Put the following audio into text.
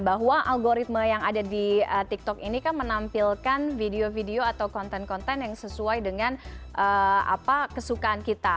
bahwa algoritma yang ada di tiktok ini kan menampilkan video video atau konten konten yang sesuai dengan kesukaan kita